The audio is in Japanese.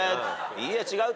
「いいえ違う。